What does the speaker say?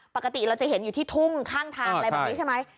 ปกติเราจะเห็นอยู่ที่ทุ่งข้างทางอะไรแบบนี้ใช่ไหม